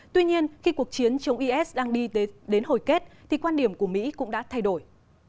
tuy nhiên khi cuộc chiến chống is đang đi đến hồi kết thì quan điểm của mỹ cũng đã thay đổi